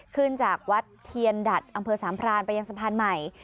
ขึ้นจากวัดเทียนดัดอำเภอสามพรานไปยังสะพานใหม่